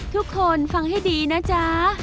ทุกคนฟังให้ดีนะจ๊ะ